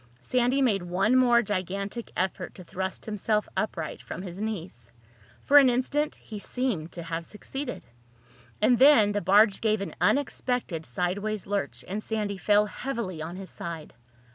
Sandy made one more gigantic effort to thrust himself upright from his knees. For an instant he seemed to have succeeded. And then the barge gave an unexpected sideways lurch and Sandy fell heavily on his side.